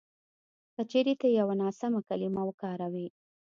که چېرې ته یوه ناسمه کلیمه وکاروې